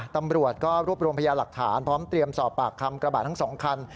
ตำรวจก็รวบรวมพยาหลักฐานพร้อมเตรียมสอบปากคำกระบะทั้ง๒คัน